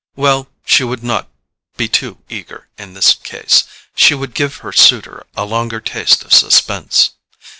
Well, she would not be too eager in this case; she would give her suitor a longer taste of suspense.